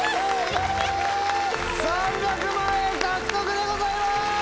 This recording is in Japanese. ３００万円獲得でございます！